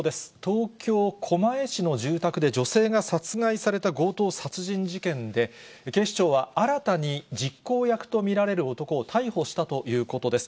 東京・狛江市の住宅で女性が殺害された強盗殺人事件で、警視庁は新たに実行役と見られる男を逮捕したということです。